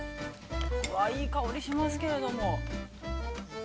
わぁ、いい香りしますけれども。